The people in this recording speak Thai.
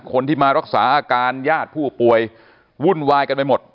คนที่มารักษาอาการญาติผู้ป่วยวุ่นวายกันไปหมด